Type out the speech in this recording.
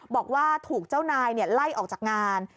บอกว่าถูกเจ้านายไล่ออกจากงาน